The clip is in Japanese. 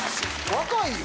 若いよ。